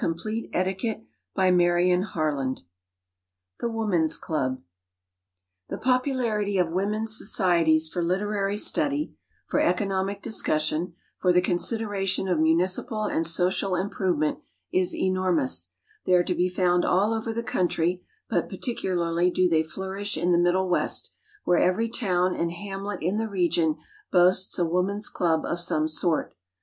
CHAPTER XXXIV THE WOMAN'S CLUB [Sidenote: THE TOLERANT ATTITUDE] THE popularity of women's societies for literary study, for economic discussion, for the consideration of municipal and social improvement, is enormous. They are to be found all over the country, but particularly do they flourish in the Middle West, where every town and hamlet in the region boasts a woman's club of some sort.